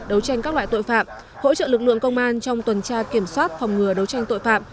đấu tranh các loại tội phạm hỗ trợ lực lượng công an trong tuần tra kiểm soát phòng ngừa đấu tranh tội phạm